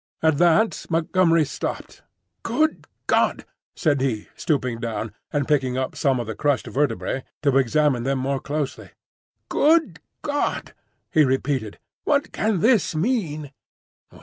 At that Montgomery stopped. "Good God!" said he, stooping down, and picking up some of the crushed vertebrae to examine them more closely. "Good God!" he repeated, "what can this mean?"